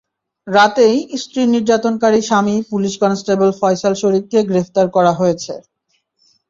রাতেই স্ত্রী নির্যাতনকারী স্বামী পুলিশ কনস্টেবল ফয়সাল শরীফকে গ্রেপ্তার করা হয়েছে।